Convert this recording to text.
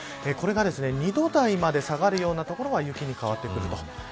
これが２度台まで下がるような所は雪に変わってくる。